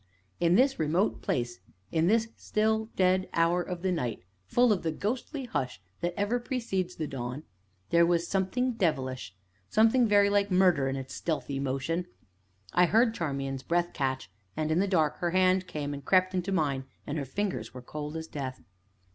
In this remote place, in this still, dead hour of the night, full of the ghostly hush that ever precedes the dawn there was something devilish something very like murder in its stealthy motion. I heard Charmian's breath catch, and, in the dark, her hand came and crept into mine and her fingers were cold as death.